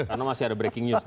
karena masih ada breaking news